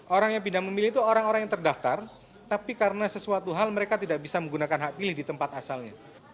orang yang pindah memilih itu orang orang yang terdaftar tapi karena sesuatu hal mereka tidak bisa menggunakan hak pilih di tempat asalnya